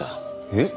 えっ？